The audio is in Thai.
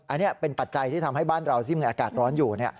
อันนี้เป็นปัจจัยที่ทำให้บ้านเราที่มีอากาศร้อนอยู่